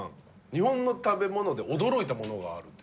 日本の食べ物で驚いたものがあると。